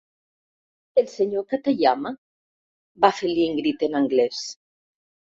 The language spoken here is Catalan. El senyor Katayama? —va fer l'Ingrid en anglès.